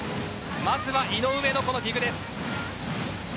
まずは井上のディグです。